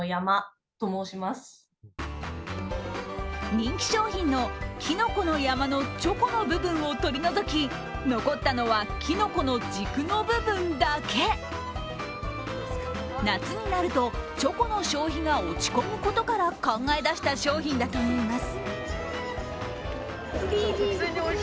人気商品のきのこの山のチョコの部分を取り除き残ったのは、きのこの軸の部分だけ夏になるとチョコの消費が落ち込むことから考え出した商品だといいます。